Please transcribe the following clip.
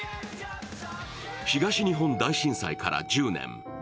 東日本大震災から１０年。